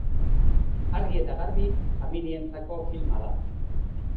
Argi eta garbi, familientzako filma da.